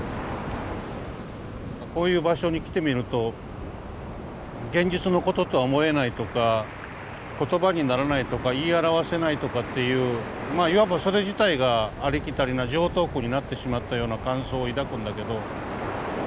こういう場所に来てみると現実のこととは思えないとか言葉にならないとか言い表せないとかっていうまあいわばそれ自体がありきたりな常套句になってしまったような感想を抱くんだけど。